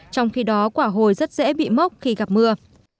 trong khi đó quả hồi rất dễ bị mốc khi gặp mưa